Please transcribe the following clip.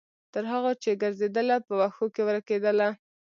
تر هغو چې ګرځیدله، په وښو کې ورکیدله